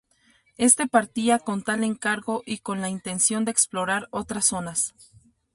Este partía con tal encargo y con la intención de explorar otras zonas.